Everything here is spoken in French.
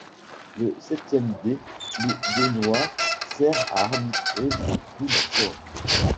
Le septième dé, le dé noir, sert à arbitrer les coups du sort.